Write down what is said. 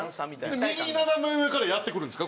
右斜め上からやって来るんですか？